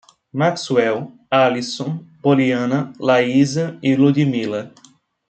Maxuel, Alisson, Poliana, Laísa e Ludimila